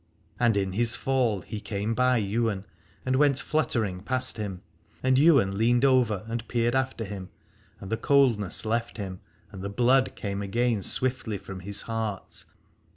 And in his fall he came by Ywain and went fluttering past him, and Ywain leaned over and peered after him, and the coldness left him, and the blood came again swiftly from his heart.